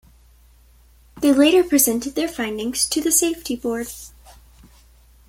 They later presented their findings to the safety board.